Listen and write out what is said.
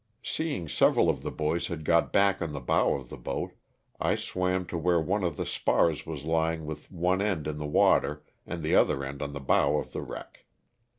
Seeing several of the boys had got back on the bow of the boat, I swam to where one of the spars was lying with one end in the water and the other end on the bow of the wreck.